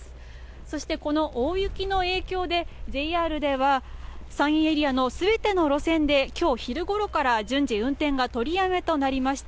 そしてこの大雪の影響でＪＲでは、山陰エリアの全ての路線で今日昼ごろから順次運転が取りやめとなりました。